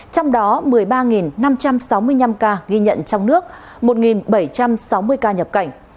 trong đó một mươi ba năm trăm sáu mươi năm ca ghi nhận trong nước một bảy trăm sáu mươi ca nhập cảnh